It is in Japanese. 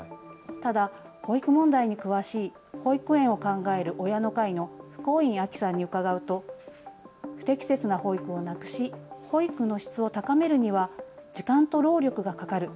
ただ保育問題に詳しい保育園を考える親の会の普光院亜紀さんに伺うと不適切な保育をなくし保育の質を高めるには時間と労力がかかる。